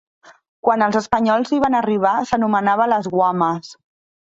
Quan els espanyols hi van arribar, s'anomenava Las Guamas.